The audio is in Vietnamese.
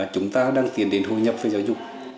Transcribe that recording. chúng ta đang tiến đến hội nhập với giáo dục